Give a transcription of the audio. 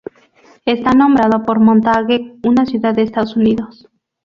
Está nombrado por Montague, una ciudad de Estados Unidos.